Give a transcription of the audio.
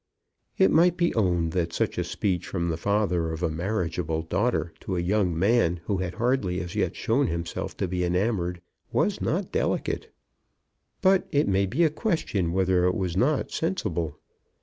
It might be owned that such a speech from the father of a marriageable daughter to a young man who had hardly as yet shown himself to be enamoured, was not delicate. But it may be a question whether it was not sensible.